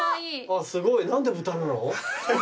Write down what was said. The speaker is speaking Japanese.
すごい。何で豚なの？